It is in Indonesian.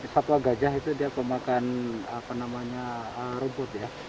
satwa gajah itu dia pemakan rumput ya